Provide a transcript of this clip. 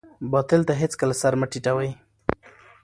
باطل ته هېڅکله سر مه ټیټوئ.